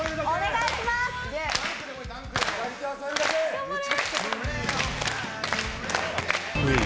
頑張れ！